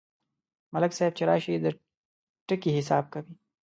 ملک صاحب چې راشي، د ټکي حساب کوي.